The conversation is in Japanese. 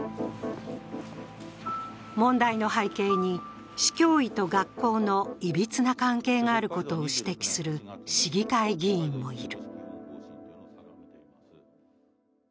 問題の背景に市教委と学校のいびつな関係があることを指摘する市議会議員もいる。